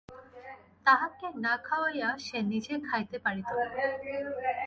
তাহাকে না খাওয়াইয়া সে নিজে খাইতে পারিত না।